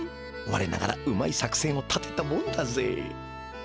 われながらうまい作せんを立てたもんだぜ。